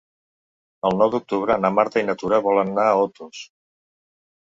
El nou d'octubre na Marta i na Tura volen anar a Otos.